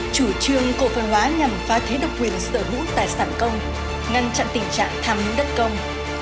chủ trương cổ phần hóa nhằm phá thế độc quyền sở hữu tài sản công ngăn chặn tình trạng tham hứng đất công